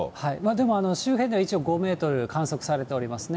でも、周辺では一応５メートル観測されておりますね。